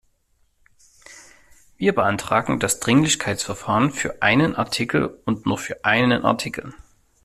Wir beantragten das Dringlichkeitsverfahren für einen Artikel und nur für einen Artikel.